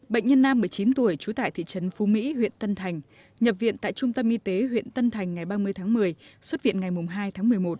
bệnh nhân nam một mươi chín tuổi trú tại thị trấn phú mỹ huyện tân thành nhập viện tại trung tâm y tế huyện tân thành ngày ba mươi tháng một mươi xuất viện ngày hai tháng một mươi một